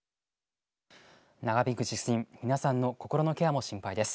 長引く地震皆さんの心のケアも心配です。